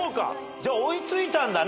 じゃあ追い付いたんだね。